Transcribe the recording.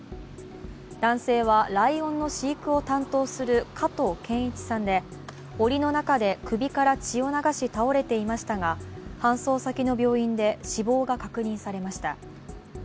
男性は、ライオンの飼育を担当する加藤健一さんでおりの中で首から血を流し倒れていましたが搬送先の病院で死亡が確認されました。